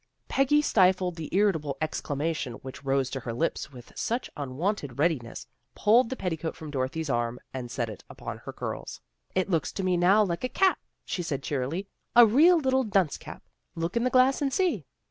Peggy stifled the irritable exclamation which rose to her lips with such unwonted readiness, pulled the petticoat from Dorothy's arm and set it upon her curls. " It looks to me now like a cap," she said cheerily. " A real little dunce cap. Look in the glass and see."